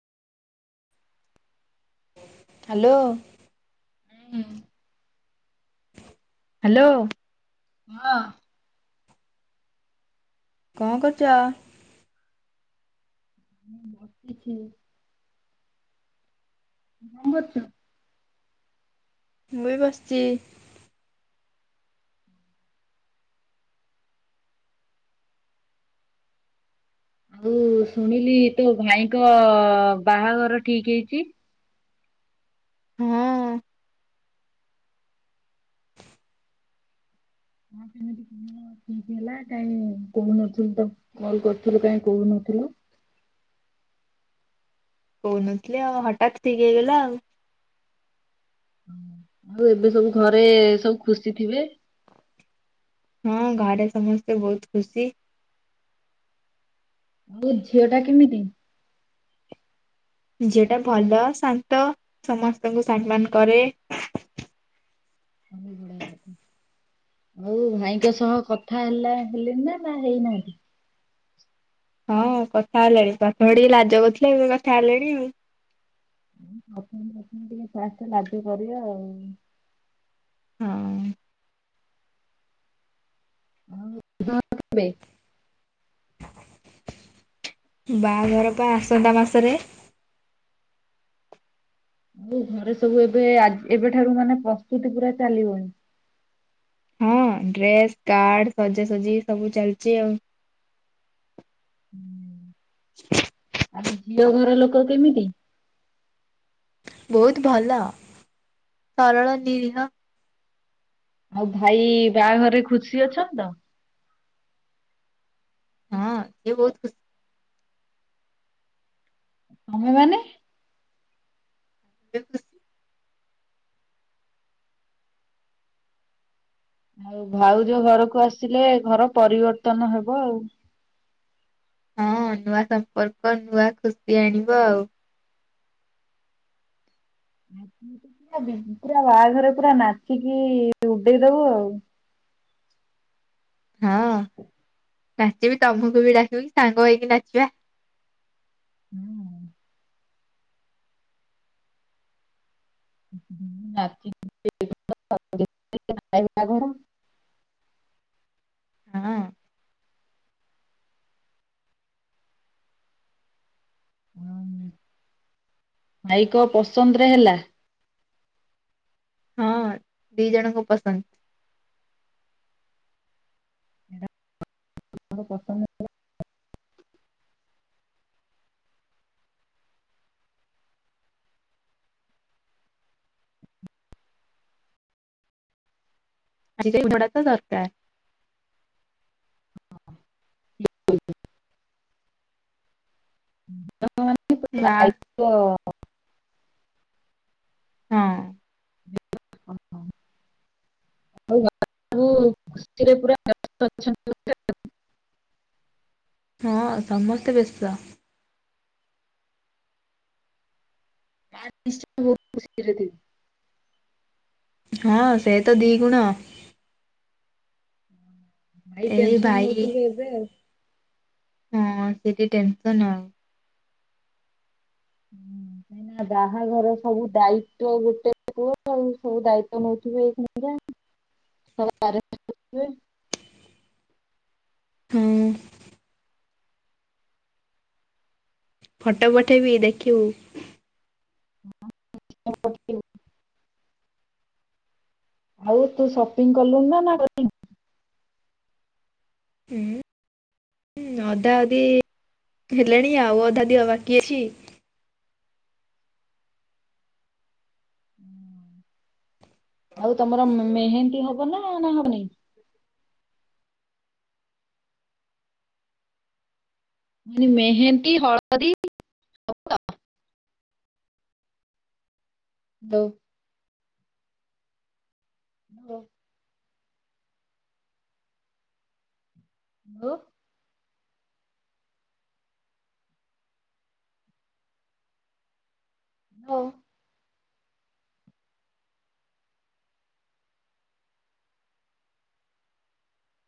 Hello ହୁଁ। Hello ହଁ କଣ କରୁଛ? ଭାବୁଛି କଣ କରଛ? ମୁ ବସିଛି। ମୁଁ ଶୁଣିଲି ତୋ ଭାଇଙ୍କ ବାହାଘର ଠିକ ହେଇଛି। ହଁ। ହଁ କେମିତି କଣ କେମିତି ହେଲା କାଇଁ କହୁନଥିଲୁ ତ କଲ କରୁଥିଲୁ କାଇଁ କହୁନଥିଲୁ? କହୁନଥିଲୀ ଅଉ ହଠାତ୍ ଠିକ ହେଇଗଲା ଆଉ। ଆଉ ଏବେ ସବୁ ଘରେ ସବୁ ଖୁସି ଥିବେ? ହଁ ଘରେ ସମସ୍ତେ ବହୁତ ଖୁସି। ଆଉ ଝିଅ ଟା କେମିତି? ଝିଅ ଟା ଭଲ ଶାନ୍ତ ସମସ୍ତଙ୍କୁ ସମ୍ମାନ କରେ। ହଉ ଭାଇଙ୍କ ସହ କଥା ହେଲା ହେଲେଣିି ନା ହେଇନାହାହ୍ନି। ହଁ କଥା ହେଲେ ପ୍ରଥମେ ଟିକେ ଲାଜ କରୁଥିଲେ ଏବେ କଥା ହେଲେଣି ଆଉ। ପ୍ରାଥମେ ପ୍ରାଥମେ ଫାଷ୍ଟ ଟିକେ ଲଜ କରିବା ଅଉ। ହଁ [unintelligible] [unintelligible] ବାହାଘର ପା ଆସନ୍ତା ମାସରେ। ଆଉ ଘରେ ସବୁ ଏବେ ଏବେଠାରୁ ମାନେ ପ୍ରସ୍ତୁତି ପୁରା ଚାଲିବ। ହଁ ଡ୍ରେସ କାର୍ଡ ସଜାସଜି ସବୁ ଚାଲିଛି ଆଉ। [unintelligible] ଅଉ ଝିଅ ଘର ଲୋକ କେମିତି। ବହୁତ ଭଲ ସରଳ ନିରିହ। ଆଉ ଭାଇ ବାହାଘରେ ଖୁସି ଅଛନ୍ ତ? ହଁ ଏ ବହୁତ ତମେମାନେ? [unintelligible] ଆଉ ଭାଉଯ ଘରକୁ ଆସିଲେ ଘର ପରିବର୍ତନ ହବ ଆଉ ହଁ ନୂଆ ସମ୍ପର୍କ ନୂଆ ଖୁସି ଆଣିବ ଆଉ। ପୁରା ବାହାଘର ପୁରା ନାଚିକି ଉଡେଇ ଦବୁ ଆଉ? ହଁ ନାଚିବି ତମକୁ ବି ଡାକିବି ସାଙ୍ଗ ହେକି ନାଚିବା। [unintelligible] [unintelligible] ହଁ [unintelligible] ଭାଇକ ପସନ୍ଦ ରେ ହେଲା? ହଁ ଦି ଜଣଙ୍କୁ ପସନ୍ଦ। [unintelligible] [unintelligible] ଦରକାର [unintelligible] [unintelligible] ବା [unintelligible] ହଁ। [unintelligible] ହଁ ସମସ୍ତେ ବ୍ୟସ୍ତ। [unintelligible] ହଁ ସେ ତ ଦିଗୁଣ ଭାଇ ଟେନସନ ଭାଇ ନଉଥିବେ ଏବେ ଆଉ ହଁ ସେଠି ଟେନସନ ଆଉ କାହିଁ ବାହାଘର ସବୁ ଦାୟିତଵ ଗୋଟେ କୁହ ସବୁ ଦାୟିତଵ ନଉଥିବେ ଏକା ହଁ। ଫଟୋ ପଠେଇବି ଦେଖିବୁ [unintelligible] ଆଉ ତୁ ସପିଂ କଲୁ ନା ନା କରିନୁ? ହଁ ଅଧା ଅଧି ହେଲାଣି ଆଉ ଅଧା ଦିଅ ବାକି ଅଛି। ଆଉ ତମର ମେହେନ୍ଦୀ ହବ? ହବ ନା ମାନ ମେହେନ୍ତି ହଳଦି [unintelligible] ହଁ। ହାଲୋ। ହଁ।